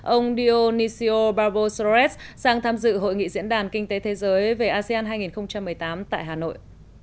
ông dionisio barbosorets sang tham dự hội nghị diễn đàn kinh tế thế giới về asean hai nghìn một mươi tám tại hà nội